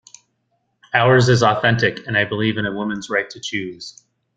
Ours is authentic and I believe in a woman's right to choose.